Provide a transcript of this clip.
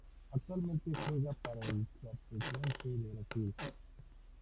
Actualmente juega para el Chapecoense de Brasil.